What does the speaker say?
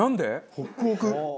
ホックホク。